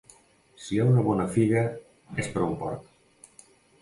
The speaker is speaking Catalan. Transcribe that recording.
Si hi ha una bona figa és per a un porc.